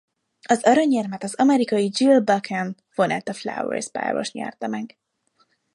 Az aranyérmet az amerikai Jill Bakken–Vonetta Flowers-páros nyerte meg.